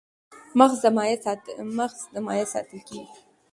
مغز د مایع سره ساتل کېږي.